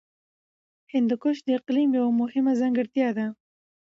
هندوکش د اقلیم یوه مهمه ځانګړتیا ده.